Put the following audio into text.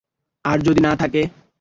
আর যদি না থাকে?